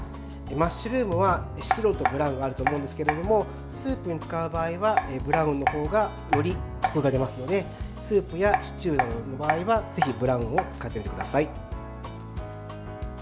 マッシュルームは白とブラウンがあると思うんですがスープに使う場合はブラウンの方がよりこくが出ますのでスープやシチューの場合はぜひブラウンを使ってみてください。